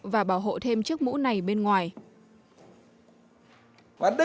và bảo hộ thêm chiếc mũ này bên ngoài